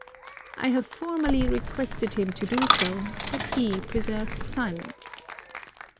I have formally requested him to do so, but he preserves silence.